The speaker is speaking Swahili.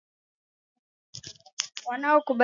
wanaokabiliwa na changamoto kadhaa kama kupoteza kazi au njia